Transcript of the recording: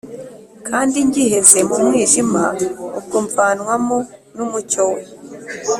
kandi ngiheze mu mwijima ubwo, mvanwamo n'umucyo we.